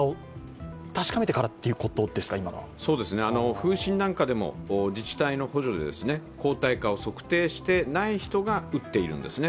風疹なんかでも自治体の補助で抗体価を測定して、ない人が打ってるんですね。